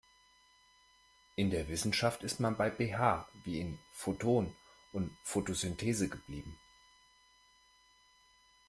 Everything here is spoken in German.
In der Wissenschaft ist man bei P H wie in Photon und Photosynthese geblieben.